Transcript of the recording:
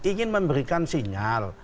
ingin memberikan sinyal